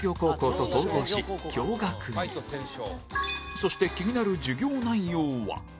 そして気になる授業内容は